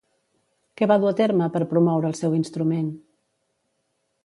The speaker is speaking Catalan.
Què va dur a terme per promoure el seu instrument?